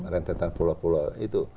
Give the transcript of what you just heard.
rentaingan pulau pulau itu